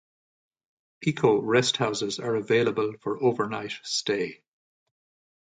Eco rest houses are available for overnight stay.